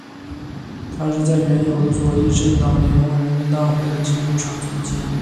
它是在原有的左翼政党联盟人民大会的基础上组建。